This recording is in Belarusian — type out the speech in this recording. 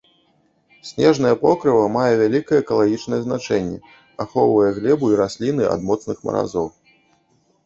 Снежнае покрыва мае вяліка экалагічнае значэнне, ахоўвае глебу і расліны ад моцных маразоў.